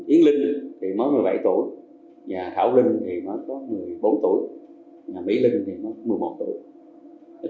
yến linh thì mới một mươi bảy tuổi và thảo linh thì mới có một mươi bốn tuổi mỹ linh thì nó một mươi một tuổi